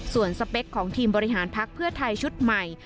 ส่วนสเปคของทีมบริหารพักเพื่อไทยชุดใหม่